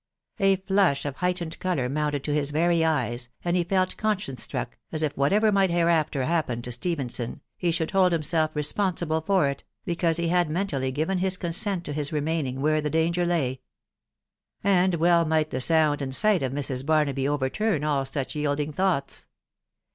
A flush of heightened colour mounted to his very eyes, and he felt conscience struck, as if whatever might hereafter happen to Stephenson, he should hold himself respon sible for it, because he had mentally given his consent to his re maining where the danger lay. And well might the sound and sight of Mrs. Barnaby overturn all such yielding thoughts.